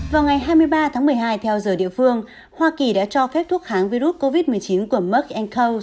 vào ngày hai mươi ba tháng một mươi hai theo giờ địa phương hoa kỳ đã cho phép thuốc kháng virus covid một mươi chín của mako